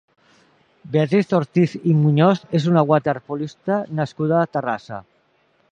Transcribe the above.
Beatriz Ortiz i Muñoz és una waterpolista nascuda a Terrassa.